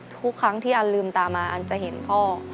ทุกครั้งที่อันลืมตามาอันจะเห็นพ่อ